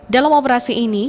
dalam operasi ini